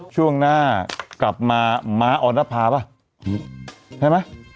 ช่วงหน้ากลับมามาออนภาพห้า